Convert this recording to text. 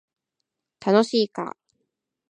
楽しいか